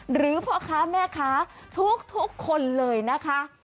หรือพ่อค้าแม่ค้าทุกคนเลยนะคะ